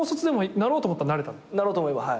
なろうと思えばはい。